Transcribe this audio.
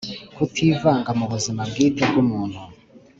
Kutivanga mu buzima bwite bw’umuntu.